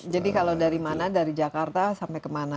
jadi kalau dari mana dari jakarta sampai kemana